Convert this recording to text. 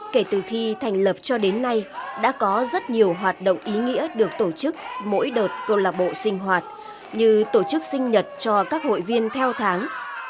kể từ khi thành lập cho đến nay đã có rất nhiều hoạt động ý nghĩa được tổ chức mỗi đợt câu lạc bộ sinh hoạt như tổ chức sinh nhật cho các hội viên theo tháng